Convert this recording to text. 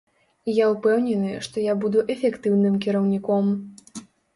І я ўпэўнены, што я буду эфектыўным кіраўніком.